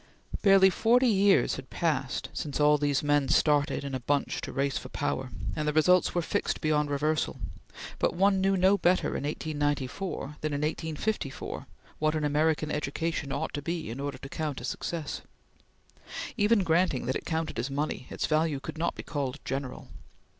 Barely forty years had passed since all these men started in a bunch to race for power, and the results were fixed beyond reversal; but one knew no better in 1894 than in 1854 what an American education ought to be in order to count as success. Even granting that it counted as money, its value could not be called general.